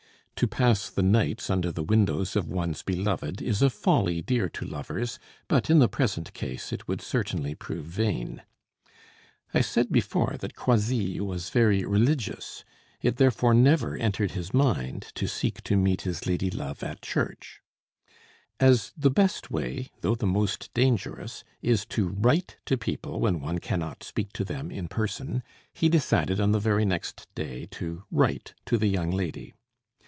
To pass the nights under the windows of one's beloved is a folly dear to lovers, but, in the present case, it would certainly prove vain. I said before that Croisilles was very religious; it therefore never entered his mind to seek to meet his lady love at church. As the best way, though the most dangerous, is to write to people when one cannot speak to them in person, he decided on the very next day to write to the young lady.